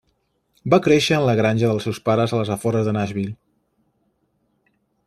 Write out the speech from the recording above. Va créixer en la granja dels seus pares als afores de Nashville.